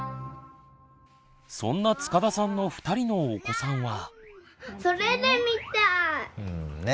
そんな塚田さんの２人のお子さんは。